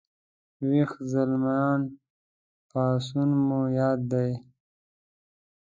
ويښ زلميان پاڅون مو یاد دی